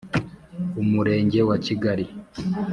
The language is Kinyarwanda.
Umurenge wa Kigali